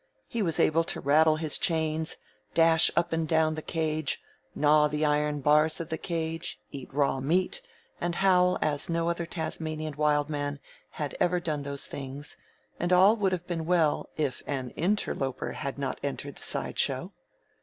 He was able to rattle his chains, dash up and down the cage, gnaw the iron bars of the cage, eat raw meat, and howl as no other Tasmanian Wild Man had ever done those things, and all would have been well if an interloper had not entered the side show.